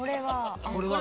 これは。